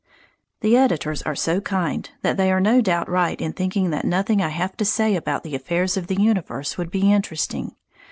The editors are so kind that they are no doubt right in thinking that nothing I have to say about the affairs of the universe would be interesting.